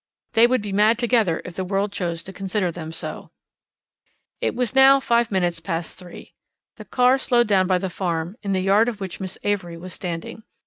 They would be mad together if the world chose to consider them so. It was now five minutes past three. The car slowed down by the farm, in the yard of which Miss Avery was standing.